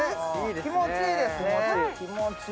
気持ちいいですね。